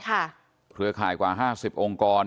เครือข่ายกว่า๕๐องค์กร